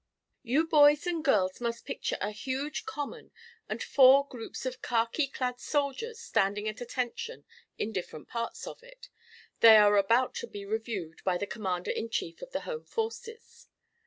YOU boys and girls must picture a huge common, and four groups of khaki clad soldiers standing at attention in different parts of it. They are about to be reviewed by the Commander in Chief of the Home Forces.